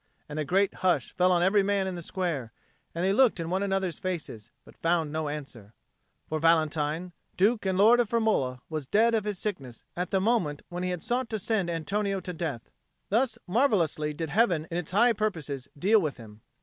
And a great hush fell on every man in the square, and they looked in one another's faces, but found no answer. For Valentine, Duke and Lord of Firmola, was dead of his sickness at the moment when he had sought to send Antonio to death. Thus marvellously did Heaven in its high purposes deal with him.